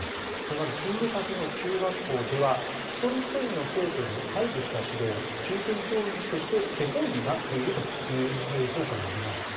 まず勤務先の中学校では一人ひとりの生徒に配慮した指導中堅教員として手本になっているという評価がありました。